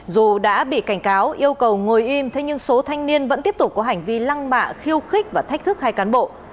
dù đã bị cảnh cáo yêu cầu ngồi im thế nhưng số thanh niên vẫn tiếp tục có hành vi lăng mạ khiêu khích và thách thức hai cán bộ